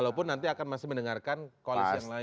walaupun nanti akan masih mendengarkan koalisi yang lain